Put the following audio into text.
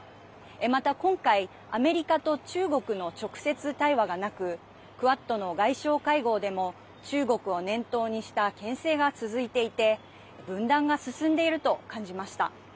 また今回、アメリカと中国の直接対話がなくクアッドの外相会合でも中国を念頭にしたけん制が続いていて分断が進んでいると感じました。